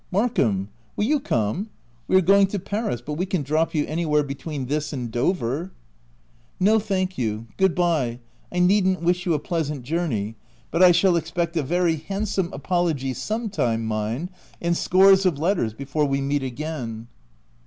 " Mark ham, will you come ? We are going to Paris, but we can drop you anywhere between this and Dover." OF WILDFELL HALL. 291 " No thank you. Good bye — I needn't wish you a pleasant journey ; but I shall expect a very handsome apology, some time, mind, and scores of letters, before we meet again."